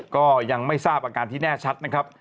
ก็ยังไม่ทราบอาการที่แน่ชัดนะครับ